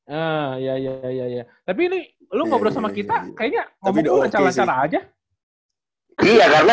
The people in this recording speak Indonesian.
hah ya ya ya ya tapi ini lu ngobrol sama kita kayaknya ngomong lu ancara ancara aja